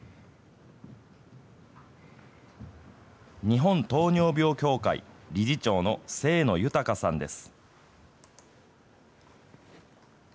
日本糖尿病協会理事長の清野裕さんです。